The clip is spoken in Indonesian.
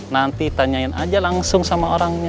nanti tanyain aja langsung sama orangnya